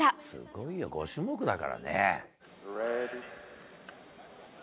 すごいよ、５種目だからね。